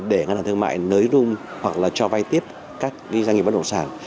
để ngân hàng thương mại nới rum hoặc là cho vay tiếp các doanh nghiệp bất động sản